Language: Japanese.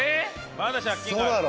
まだ借金がある。